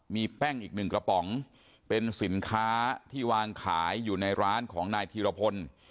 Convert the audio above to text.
มีแป้งอีกหนึ่งกระป๋องเป็นสินค้าที่วางขายอยู่ในร้านของนายธีรพล